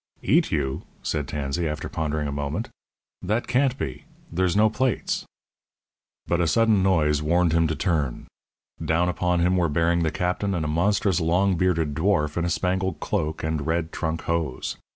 "Eat you!" said Tansey, after pondering a moment. "That can't be; there's no plates." But a sudden noise warned him to turn. Down upon him were bearing the Captain and a monstrous long bearded dwarf in a spangled cloak and red trunk hose.